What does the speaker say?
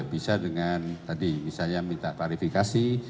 bisa dengan tadi misalnya minta klarifikasi